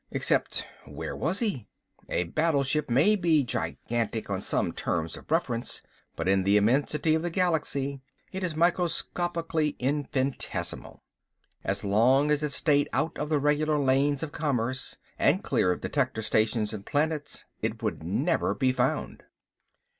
Except where was he? A battleship may be gigantic on some terms of reference, but in the immensity of the galaxy it is microscopically infinitesimal. As long as it stayed out of the regular lanes of commerce, and clear of detector stations and planets, it would never be found.